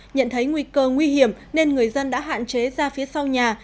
nhận thấy nguy cơ nguy hiểm nên người dân đã hạn chế ra phía sau nhà